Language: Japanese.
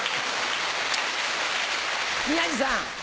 宮治さん。